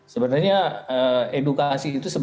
sebenarnya edukasi itu